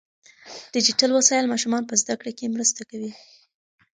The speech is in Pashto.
ډیجیټل وسایل ماشومان په زده کړه کې مرسته کوي.